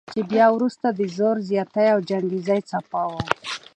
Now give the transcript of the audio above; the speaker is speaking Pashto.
چې بیا وروسته د زور زیاتی او چنګیزي څپاو په